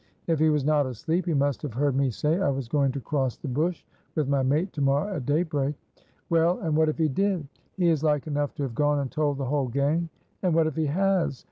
"If he was not asleep, he must have heard me say I was going to cross the bush with my mate to morrow at daybreak." "Well! and what if he did?" "He is like enough to have gone and told the whole gang." "And what if he has?"